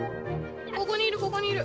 ここにいるここにいる。